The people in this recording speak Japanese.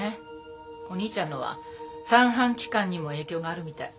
お兄ちゃんのは三半規管にも影響があるみたい。